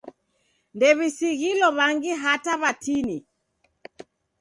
Ndew'isighilo w'angi hata w'atini.